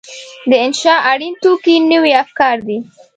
د انشأ اړین توکي نوي افکار دي.